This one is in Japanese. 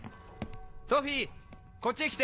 ソフィーこっちへ来て！